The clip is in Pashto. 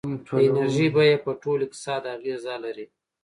د انرژۍ بیه په ټول اقتصاد اغېزه لري.